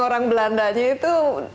orang belandanya itu